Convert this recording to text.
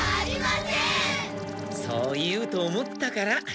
そう言うと思ったから。